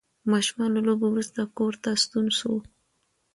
ماشوم له لوبو وروسته کور ته ستون شو